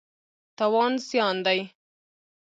تاوان زیان دی.